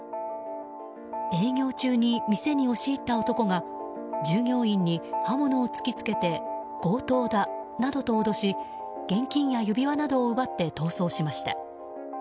営業中に店に押し入った男が従業員に刃物を突き付けて強盗だなどと脅し現金や指輪などを奪って逃走しました。